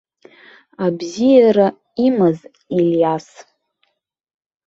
Абзиара имаз Илиас!